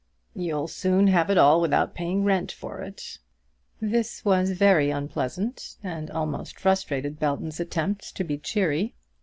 "You'll soon have it all without paying rent for it." This was very unpleasant, and almost frustrated Belton's attempts to be cheery.